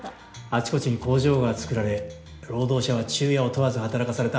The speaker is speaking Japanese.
あちこちに工場が作られ労働者は昼夜を問わず働かされた。